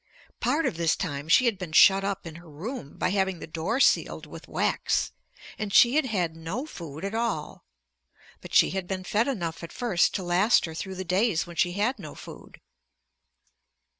Part of this time she had been shut up in her room by having the door sealed with wax, and she had had no food at all. But she had been fed enough at first to last her through the days when she had no food.